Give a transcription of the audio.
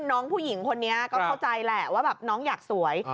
น้องผู้หญิงคนนี้ก็เข้าใจแหละว่าแบบน้องอยากสวย